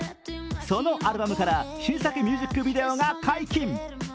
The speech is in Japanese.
そのアルバムから新作ミュージックビデオが解禁。